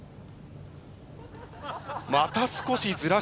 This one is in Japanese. また少しずらした。